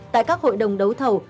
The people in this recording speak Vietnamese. tại các hội đồng đấu thầu